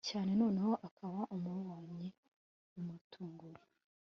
cyane none akaba amubonye bimutunguye